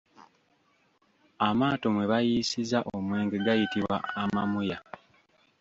Amaato mwe bayiisiza omwenge gayitibwa amamuya.